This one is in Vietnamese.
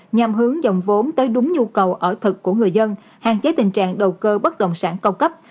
nhằm hướng dòng vốn tới đúng nhu cầu ở thực của người dân hạn chế tình trạng đầu cơ bất động sản cao cấp